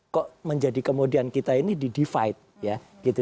kok menjadi kemudian kita ini di divide